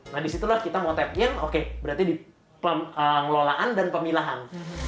nah disitulah kita mau tap in oke berarti di pengelolaan dan pemilahan